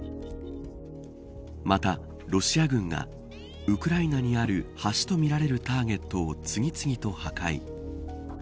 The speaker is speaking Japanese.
また、ロシア軍がウクライナにある橋とみられるターゲットを次々と破壊。